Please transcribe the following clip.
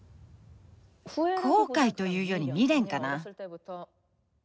後悔というより未練かな。